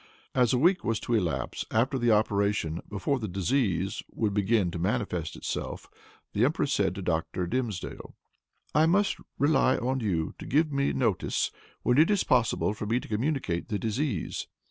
As a week was to elapse after the operation before the disease would begin to manifest itself, the empress said to Dr. Dimsdale, "I must rely on you to give me notice when it is possible for me to communicate the disease.